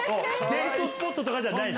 デートスポットとかじゃない。